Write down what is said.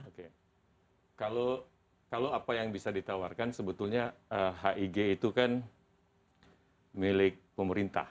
oke kalau apa yang bisa ditawarkan sebetulnya hig itu kan milik pemerintah